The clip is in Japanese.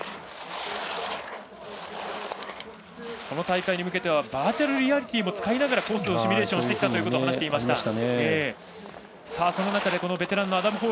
この大会に向けてはバーチャルリアリティーを使いながらコースをシミュレーションしてきたと話していました。